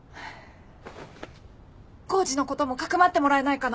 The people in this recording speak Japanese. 浩二のことも匿ってもらえないかな？